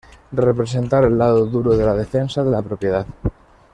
representar el lado duro de la defensa de la propiedad